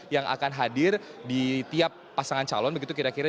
yang akan hadir di tiap pasangan calon begitu kira kira